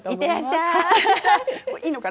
いいのかな？